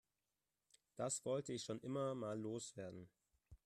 Das wollte ich schon immer mal loswerden.